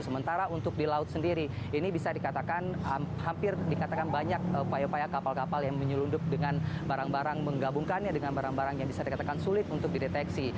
sementara untuk di laut sendiri ini bisa dikatakan hampir dikatakan banyak upaya upaya kapal kapal yang menyelundup dengan barang barang menggabungkannya dengan barang barang yang bisa dikatakan sulit untuk dideteksi